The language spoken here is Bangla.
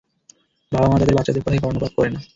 বাবা-মা তাদের বাচ্চাদের কথায় কর্ণপাত করে না।